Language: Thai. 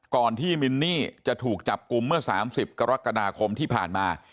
ก่อนที่มินนี่จะถูกจับกลุ่มเมื่อ๓๐กรกฎาคมที่ผ่านมา